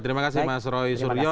terima kasih mas roy suryo